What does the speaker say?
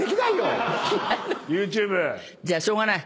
じゃあしょうがない。